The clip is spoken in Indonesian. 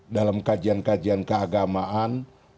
dalam kajian kajian keagamaan